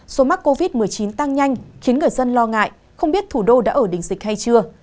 số mắc covid một mươi chín tăng nhanh khiến người dân lo ngại không biết thủ đô đã ở đỉnh dịch hay chưa